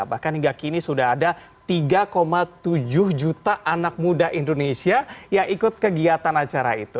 bahkan hingga kini sudah ada tiga tujuh juta anak muda indonesia yang ikut kegiatan acara itu